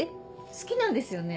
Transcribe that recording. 好きなんですよね？